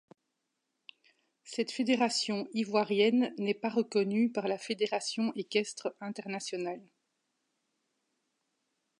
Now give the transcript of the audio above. Cette fédération ivoirienne n'est pas reconnue par la Fédération équestre internationale.